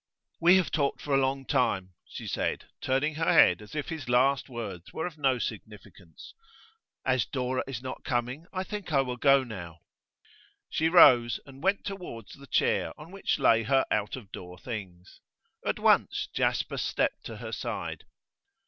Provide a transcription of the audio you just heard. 'We have talked for a long time,' she said, turning her head as if his last words were of no significance. 'As Dora is not coming, I think I will go now.' She rose, and went towards the chair on which lay her out of door things. At once Jasper stepped to her side.